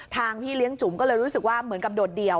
พี่เลี้ยงจุ๋มก็เลยรู้สึกว่าเหมือนกับโดดเดี่ยว